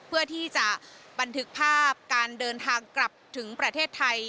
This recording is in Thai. เพื่อที่จะบันทึกภาพการเดินทางกลับถึงประเทศไทย